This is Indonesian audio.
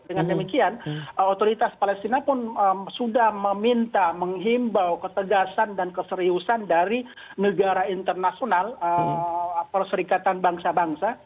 dengan demikian otoritas palestina pun sudah meminta menghimbau ketegasan dan keseriusan dari negara internasional perserikatan bangsa bangsa